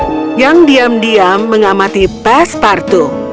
ada satu orang yang diam diam mengamati pastor patu